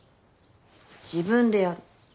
自分でやる。